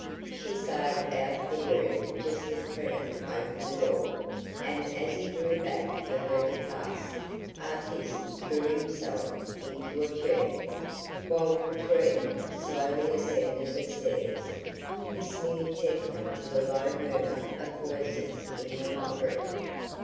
She sailed out of the room just as Preenham opened the door, and as he drew back for her to pass, Artis threw himself into a chair, while Katrine slowly ascended the stairs, listening intently to the low murmur of voices in the library.